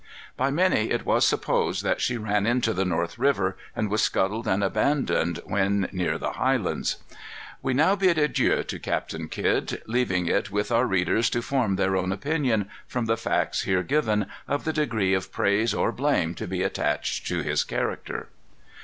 By many it was supposed that she ran into the North River, and was scuttled and abandoned when near the Highlands. We now bid adieu to Captain Kidd, leaving it with our readers to form their own opinion, from the facts here given, of the degree of praise or blame to be attached to his character.